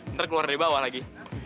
ntar keluar dari bawah lagi